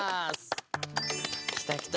きたきた！